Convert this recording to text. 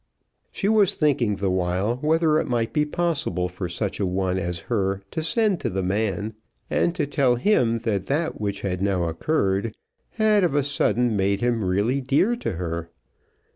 She was thinking the while whether it might be possible for such a one as her to send to the man and to tell him that that which had now occurred had of a sudden made him really dear to her.